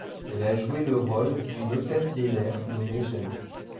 Elle a joué le rôle d'une hôtesse de l'air nommée Jeannette.